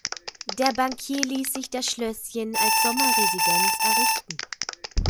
Der Bankier ließ sich das Schlösschen als Sommerresidenz errichten.